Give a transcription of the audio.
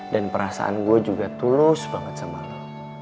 dan perasaan gue juga tulus banget sama lo